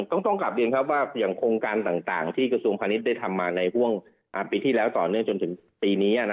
ต้องกลับเรียนครับว่าอย่างโครงการต่างที่กระทรวงพาณิชย์ได้ทำมาในห่วงปีที่แล้วต่อเนื่องจนถึงปีนี้